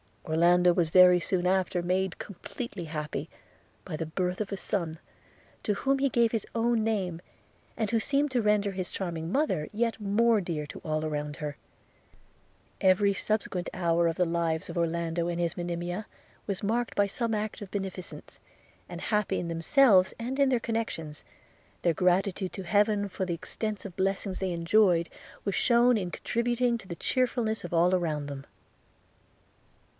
Orlando was very soon after made completely happy by the birth of a son, to whom he gave his own name, and who seemed to render his charming mother yet more dear to all around her. Every subsequent hour of the lives of Orlando and his Monimia was marked by some act of beneficence; and happy in themselves and in their connections, their gratitude to Heaven for the extensive blessings they enjoyed, was shewn in contributing to the cheerfulness of all around them.